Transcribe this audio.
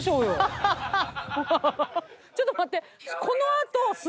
ちょっと待って。